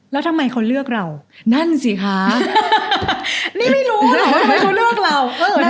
แล้วทำไมเขาเลือกเรานั่นสิคะนี่ไม่รู้ทำไมเขาเลือกเรา